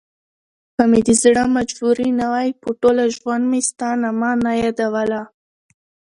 که مې دزړه مجبوري نه وای په ټوله ژوندمي ستا نامه نه يادوله